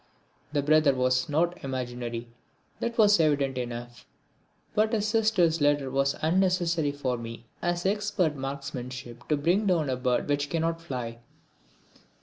The brother was not imaginary, that was evident enough. But his sister's letter was as unnecessary for me as expert marksmanship to bring down a bird which cannot fly.